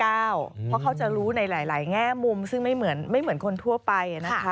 เพราะเขาจะรู้ในหลายแง่มุมซึ่งไม่เหมือนคนทั่วไปนะคะ